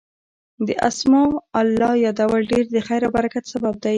د اسماء الله يادول ډير د خير او برکت سبب دی